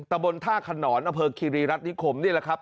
ตะบนท่าขนอนอำเภอคีรีรัฐนิคมนี่แหละครับ